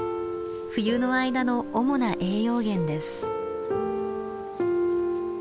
冬の間の主な栄養源です。